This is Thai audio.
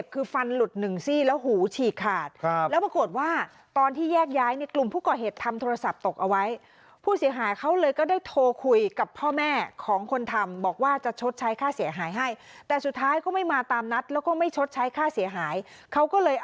คุณแน่คุณแน่